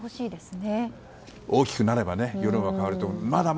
大きくなれば世論は変わると思います。